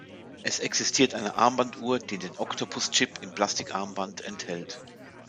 Es existiert eine Armbanduhr, die den Octopus-Chip im Plastik-Armband enthält.